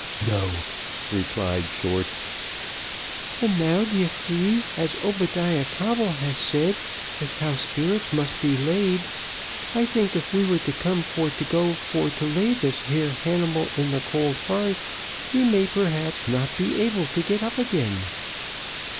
"No," replied Short. "And now, d'ye see, as Obadiah Coble has said as how spirits must be laid, I think if we were to come for to go for to lay this here hanimal in the cold hearth, he may perhaps not be able to get up again."